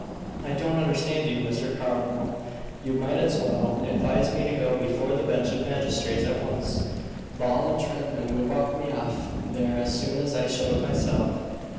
"I don't understand you, Mr. Carlyle. You might as well advise me to go before the bench of magistrates at once. Ball & Treadman would walk me off there as soon as I showed myself."